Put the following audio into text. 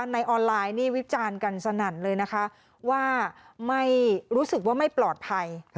ในออนไลน์นี่วิจารณ์กันสนั่นเลยนะคะว่าไม่รู้สึกว่าไม่ปลอดภัย